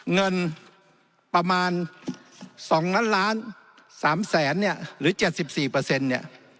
เงินประมาณ๒๓ล้านเนี่ยหรือ๗๔เนี่ย